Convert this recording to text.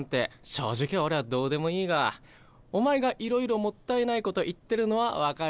正直俺はどうでもいいがお前がいろいろもったいないこと言ってるのは分かるじゃ。